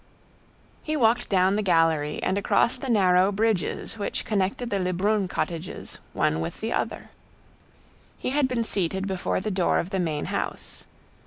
He walked down the gallery and across the narrow "bridges" which connected the Lebrun cottages one with the other. He had been seated before the door of the main house.